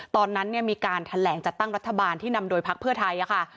ตอนนั้นเนี่ยมีการแถลงจัดตั้งรัฐบาลที่นำโดยพักเพื่อไทยค่ะ